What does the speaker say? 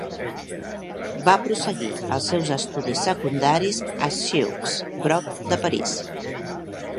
Va prosseguir els seus estudis secundaris a Sceaux, prop de París.